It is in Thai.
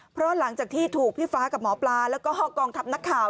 เพราะหลังจากที่ถูกพี่ฟ้ากับหมอปลาแล้วก็กองทัพนักข่าว